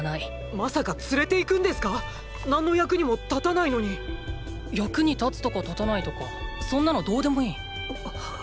まさか連れていくんですか⁉何の役にも立たないのに⁉役に立つとか立たないとかそんなのどうでもいい。っ！